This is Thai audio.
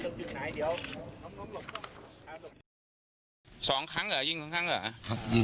มีรถกระบะจอดรออยู่นะฮะเพื่อที่จะพาหลบหนีไป